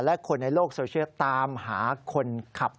และคนในโลกโซเชียลตามหาคนขับ